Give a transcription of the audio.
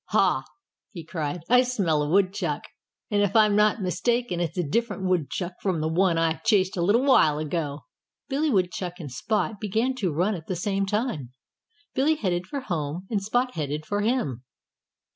"Ha!" he cried. "I smell a Woodchuck. And if I'm not mistaken it's a different Woodchuck from the one I chased a little while ago." Billy Woodchuck and Spot began to run at the same time. Billy headed for home; and Spot headed for him.